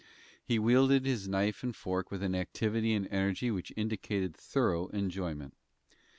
He wielded his knife and fork with an activity and energy which indicated thorough enjoyment.